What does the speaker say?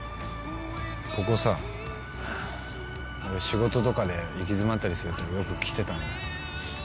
ここさ俺仕事とかで行き詰まったりするとよく来てたんだ。